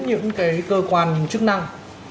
những cái cơ quan chức năng